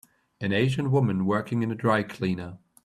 An Asian woman working in a dry cleaner.